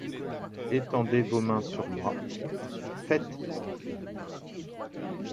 Étendez vos mains sur moi, faites